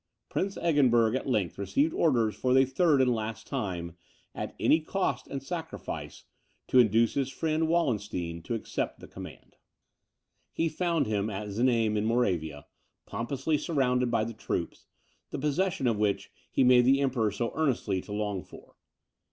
Prince Eggenberg at length received orders, for the third and last time, at any cost and sacrifice, to induce his friend, Wallenstein, to accept the command. He found him at Znaim in Moravia, pompously surrounded by the troops, the possession of which he made the Emperor so earnestly to long for.